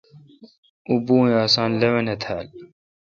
اوں پوُ ے اساں لوَنے تھال۔